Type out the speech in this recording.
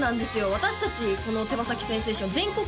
私達この手羽先センセーション全国